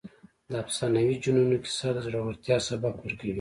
د افسانوي جنونو کیسه د زړورتیا سبق ورکوي.